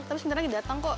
tapi sebentar lagi datang kok